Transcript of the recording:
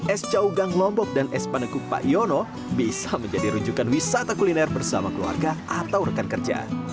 es caugang lombok dan es panekuk pak yono bisa menjadi rujukan wisata kuliner bersama keluarga atau rekan kerja